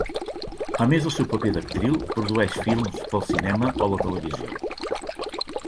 A més del seu paper d'actriu, produeix films pel cinema o la televisió.